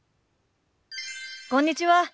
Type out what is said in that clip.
こんにちは。